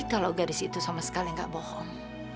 kalau garis itu sama sekali nggak bohong